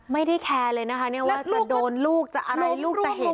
ไม่ได้แคร์เลยนะคะว่าจะโดนลูกจะอะไรลูกจะเห็น